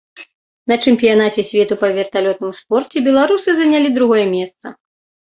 На чэмпіянаце свету па верталётным спорце беларусы занялі другое месца.